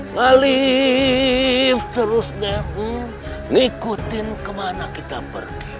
ngalih terus nger mengikuti kemana kita pergi